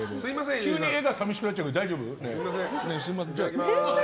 急に画が寂しくなっちゃうけど大丈夫？